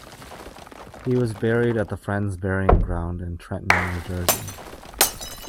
He was buried at the Friends Burying Ground in Trenton, New Jersey.